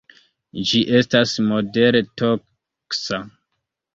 Ĝi estas modere toksa.